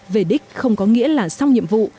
về đích không có nghĩa là xong nhiệm vụ